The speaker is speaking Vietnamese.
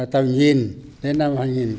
tầm nhìn đến năm hai nghìn bốn mươi năm